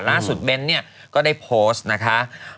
ล่าสุดเบนด์เนี่ยก็ได้โพสต์นะคะ